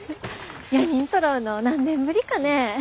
４人そろうの何年ぶりかね？